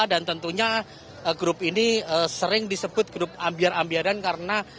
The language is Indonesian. dan tentunya grup ini sering disebut grup ambiar ambiaran karena